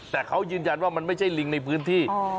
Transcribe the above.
แต่เขายืนยันว่ามันไม่ใช่ลิงในพื้นที่